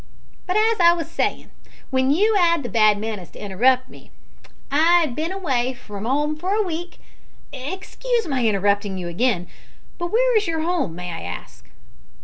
But, as I was sayin' w'en you 'ad the bad manners to interrupt me, I 'ad bin away from 'ome for a week " "Excuse my interrupting you again, but where is your home, may I ask?"